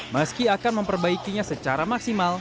meski akan memperbaikinya secara maksimal